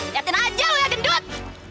liatin aja lo ya gendut